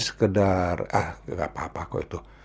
sekedar ah gak apa apa kok itu